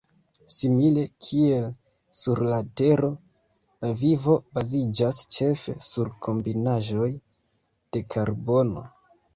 Simile kiel sur la Tero, la vivo baziĝas ĉefe sur kombinaĵoj de karbono.